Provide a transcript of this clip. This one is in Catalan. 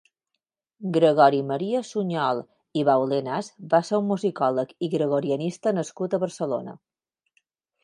Gregori Maria Sunyol i Baulenas va ser un musicòleg i gregorianista nascut a Barcelona.